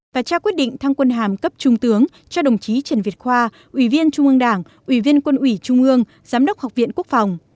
và trao quyết định thăng quân hàm cấp trung tướng cho đồng chí trần việt khoa ủy viên trung ương đảng ủy viên quân ủy trung ương giám đốc học viện quốc phòng